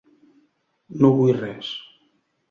No vull res.